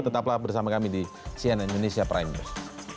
tetaplah bersama kami di cnn indonesia prime news